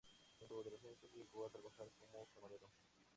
En su adolescencia llegó a trabajar como camarero.